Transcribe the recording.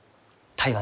台湾。